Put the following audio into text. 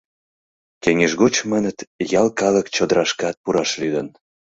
Кеҥеж гоч, маныт, ял калык чодырашкат пураш лӱдын.